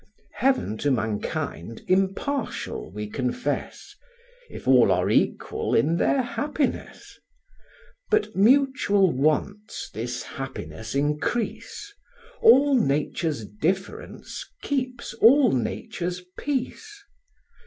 Heaven to mankind impartial we confess, If all are equal in their happiness: But mutual wants this happiness increase; All Nature's difference keeps all Nature's peace.